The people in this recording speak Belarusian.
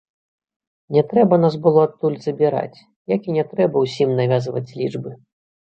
Не трэба нас было адтуль забіраць, як і не трэба ўсім навязваць лічбы.